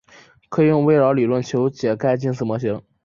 可以用微扰理论求解该近似模型。